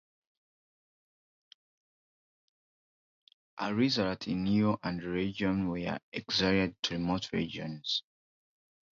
As a result, Niu and Li Zongmin were exiled to remote regions.